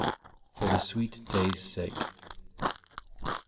no FOR THE SWEET DAY'S SAKE.